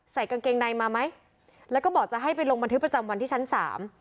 ใส่กางเกงในมาไหมแล้วก็บอกจะให้ไปลงบันทึกประจำวันที่ชั้นสาม